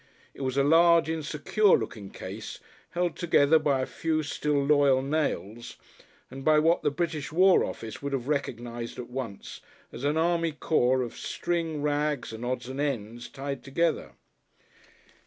It was a large, insecure looking case held together by a few still loyal nails, and by what the British War Office would have recognised at once as an Army Corps of string, rags and odds and ends tied together.